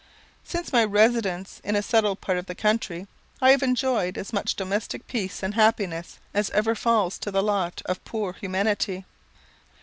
Since my residence in a settled part of the country, I have enjoyed as much domestic peace and happiness as ever falls to the lot of poor humanity.